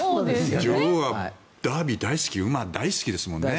女王はダービー大好き馬、大好きですもんね。